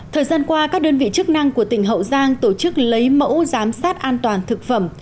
thời gian qua các đơn vị chức năng của tỉnh hậu giang tổ chức lấy mẫu giám sát an toàn thực phẩm